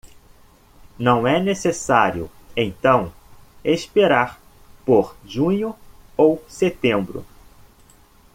Não é necessário, então, esperar por junho ou setembro.